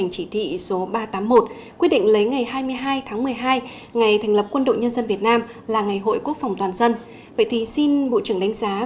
ngày hai mươi hai tháng một mươi hai năm một nghìn chín trăm tám mươi chín là ngày hội quốc phòng toàn dân